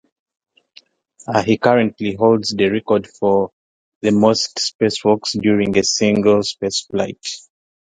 He currently holds the record for the most spacewalks during a single spaceflight.